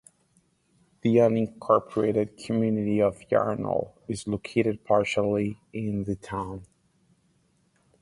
The unincorporated community of Yarnell is located partially in the town.